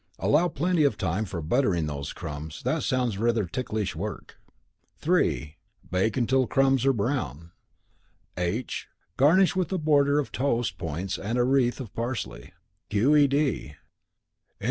("Allow plenty of time for buttering those crumbs; that sounds rather ticklish work.") (3) Bake until crumbs are brown. (h) Garnish with a border of toast points and a wreath of parsley. Q. E. D.